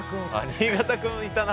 新潟くんいたな。